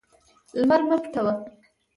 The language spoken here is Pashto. لمر مه پټوه.